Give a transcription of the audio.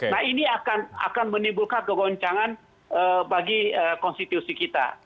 nah ini akan menimbulkan kegoncangan bagi konstitusi kita